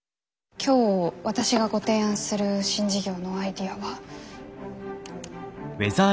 今日私がご提案する新事業のアイデアは。